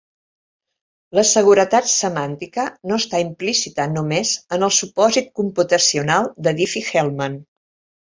La seguretat semàntica no està implícita només en el supòsit computacional de Diffie-Hellman.